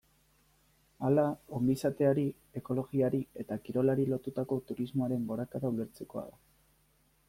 Hala, ongizateari, ekologiari eta kirolari lotutako turismoaren gorakada ulertzekoa da.